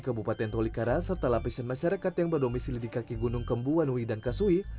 kebupaten tolikara serta lapisan masyarakat yang berdomisili di kaki gunung kembu wanui dan kasui